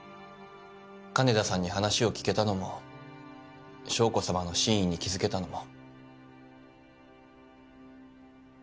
金田さんに話を聞けたのも将子さまの真意に気付けたのも。